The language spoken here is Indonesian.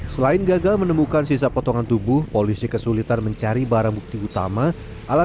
selain gagal menemukan sisa potongan tubuh polisi kesulitan mencari barang bukti senjata tajam dan buku tabungan korban